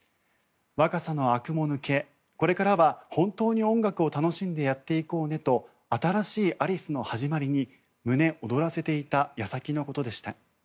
若さのあくも抜けこれからは本当に音楽を楽しんでやっていこうねと新しいアリスの始まりに胸躍らせていた矢先のことでした